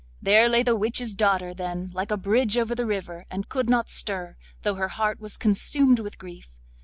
There lay the witch's daughter then, like a bridge over the river, and could not stir, though her heart was consumed with grief.